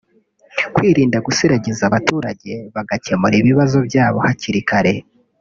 kwirinda gusiragiza abaturage bagakemura ibibazo byabo hakiri kare